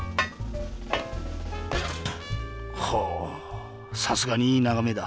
ほおさすがにいいながめだ。